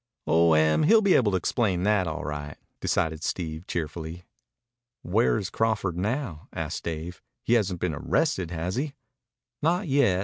"Oh, Em he'll be able to explain that all right," decided Steve cheerfully. "Where is Crawford now?" asked Dave. "He hasn't been arrested, has he?" "Not yet.